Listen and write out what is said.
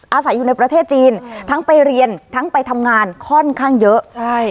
อาศัยอยู่ในประเทศจีนทั้งไปเรียนทั้งไปทำงานค่อนข้างเยอะใช่